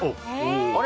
あれ？